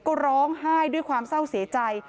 ก็ร้องไห้ด้วยความเศร้าเสียใจ